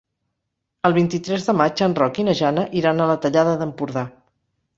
El vint-i-tres de maig en Roc i na Jana iran a la Tallada d'Empordà.